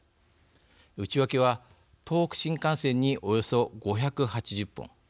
内訳は東北新幹線におよそ５８０本。